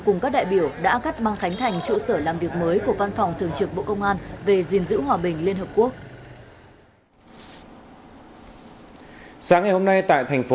sáng ngày hôm nay tại thành phố đà nẵng